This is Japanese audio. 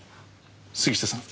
杉下さん